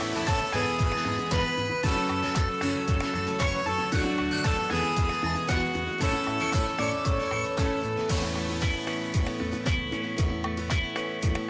โปรดติดตามตอนต่อไป